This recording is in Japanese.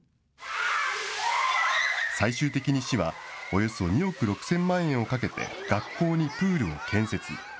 最終的に市は、およそ２億６０００万円をかけて、学校にプールを建設。